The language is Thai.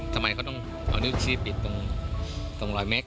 ทำไมเขาต้องเอานิ้วชี้ปิดตรงรอยเม็ก